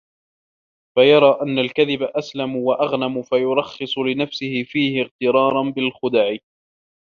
فَيَرَى أَنَّ الْكَذِبَ أَسْلَمُ وَأَغْنَمُ فَيُرَخِّصُ لِنَفْسِهِ فِيهِ اغْتِرَارًا بِالْخُدَعِ